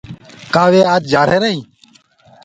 ڪآ وي آج جآرهيرآ هينٚ۔